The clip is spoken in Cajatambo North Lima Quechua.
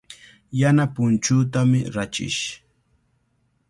Yana punchuutami rachish.